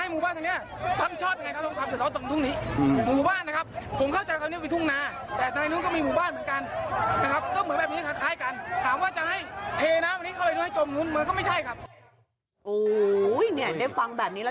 มันก็ไม่ใช่ครับโอ้โหเนี่ยได้ฟังแบบนี้แล้ว